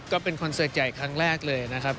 ก็เป็นคอนเสริชใหญ่ครั้งแรกเลยนะครับ